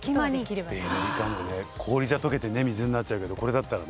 氷じゃ溶けてね水になっちゃうけどこれだったらね。